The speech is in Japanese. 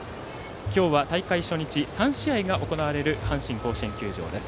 今日は大会初日３試合が行われる阪神甲子園球場です。